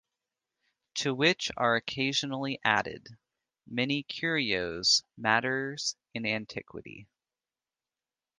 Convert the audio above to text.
To which are occasionally added, many curios matters in antiquity.